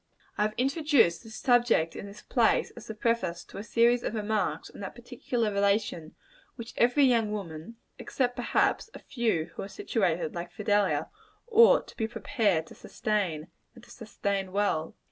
I have introduced this subject in this place, as the preface to a series of remarks on that particular relation which every young woman except, perhaps, a few who are situated like Fidelia ought to be prepared to sustain, and to sustain well.